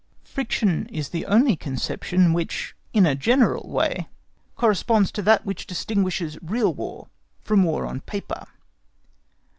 Friction is the only conception which in a general way corresponds to that which distinguishes real War from War on paper.